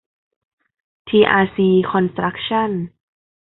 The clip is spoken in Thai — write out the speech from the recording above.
ทีอาร์ซี คอนสตรัคชั่น